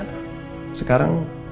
dan ya sekarang